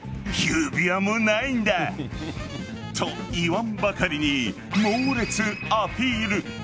指輪もないんだ。と言わんばかりに猛烈アピール。